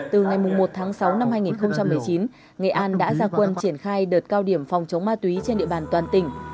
từ ngày một tháng sáu năm hai nghìn một mươi chín nghệ an đã ra quân triển khai đợt cao điểm phòng chống ma túy trên địa bàn toàn tỉnh